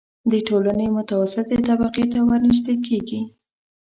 د ټولنې متوسطې طبقې ته ورنژدې کېږي.